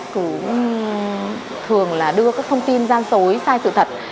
cũng thường là đưa các thông tin gian dối sai sự thật